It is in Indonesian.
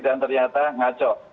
dan ternyata ngaco